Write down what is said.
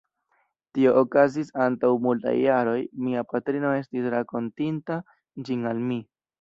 Tio okazis antaŭ multaj jaroj; mia patrino estis rakontinta ĝin al mi.